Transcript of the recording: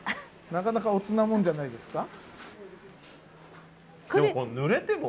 なかなかおつなもんじゃないですか。